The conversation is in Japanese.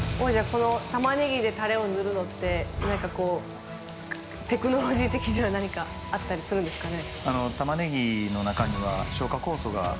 この玉ねぎでタレを塗るのってなんかこうテクノロジー的には何かあったりするんですかね？